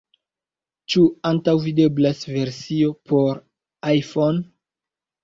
Ĉu antaŭvideblas versio por iPhone?